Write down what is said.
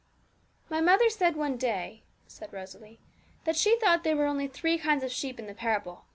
'My mother said one day,' said Rosalie, 'that she thought there were only three kinds of sheep in the parable.